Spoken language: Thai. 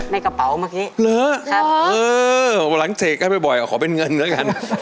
ในกระเป๋าเมื่อกี้เหรอเออหลังเสกให้ไม่บ่อยขอเป็นเงินด้วยกัน